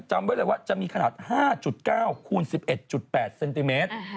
จำไว้เลยว่าจะมีขนาด๕๙คูณ๑๑๘เซนติเมตร